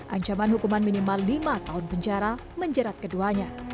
ancaman hukuman minimal lima tahun penjara menjerat keduanya